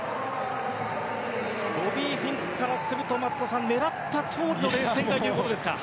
ボビー・フィンクからすると松田さん、狙ったとおりのレース展開ということですか？